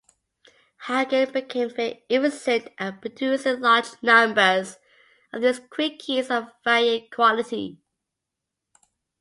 Hagen became very efficient at producing large numbers of these quickies of varying quality.